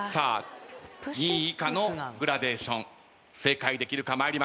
２位以下のグラデーション正解できるか参ります。